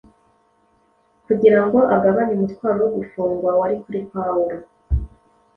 kugira ngo agabanye umutwaro wo gufungwa wari kuri Pawulo.